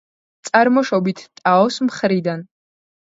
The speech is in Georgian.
წარმოშობით ტაოს მხრიდან.